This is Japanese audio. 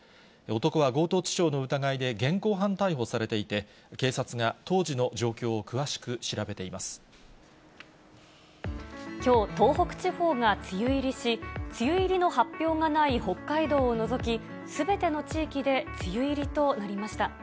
男は強盗致傷の疑いで現行犯逮捕されていて、警察が当時の状況をきょう、東北地方が梅雨入りし、梅雨入りの発表がない北海道を除き、すべての地域で梅雨入りとなりました。